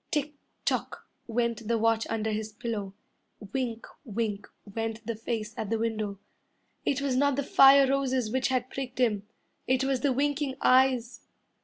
Tick tock went the watch under his pillow, Wink wink went the face at the window. It was not the fire roses which had pricked him, It was the winking eyes.